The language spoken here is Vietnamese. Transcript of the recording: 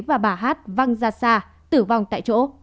và bà hát văng ra xa tử vong tại chỗ